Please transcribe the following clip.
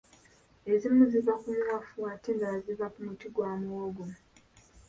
Ezimu ziva ku muwafu ate endala ziva ku muti gwa muwogo.